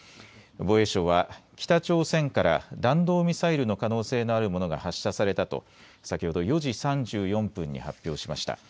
防衛省は北朝鮮から弾道ミサイルの可能性のあるものが発射されたと先ほど４時３４分に発表しました。